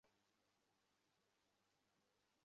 কিন্তু আমি নিজেকে ভয় পাই, রিফ।